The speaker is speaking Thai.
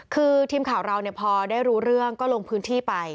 คือทีมข่าวเราพอได้รู้เรื่องก็ลงพื้นที่ไป